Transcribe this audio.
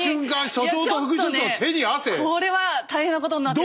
これは大変なことになってるぞと。